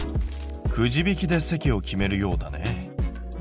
くじ引きで席を決めるようだね。